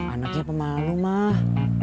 anaknya pemalu mah